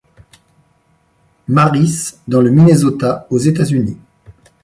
Mary's dans le Minnesota aux États-Unis.